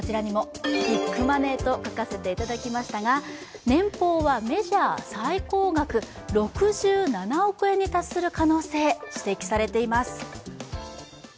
ビッグマネーと書かせていただきましたが年俸はメジャー最高額、６７億円に達する可能性、指摘されてます。